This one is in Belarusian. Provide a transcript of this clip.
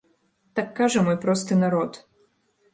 Так кажа мой просты народ.